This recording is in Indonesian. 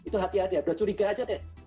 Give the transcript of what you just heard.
itu hati hati ya udah curiga aja deh